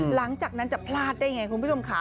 หลังจากนั้นจะพลาดได้ไงคุณผู้ชมค่ะ